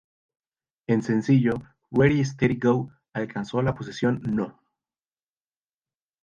En sencillo "Ready Steady Go" alcanzó la posición No.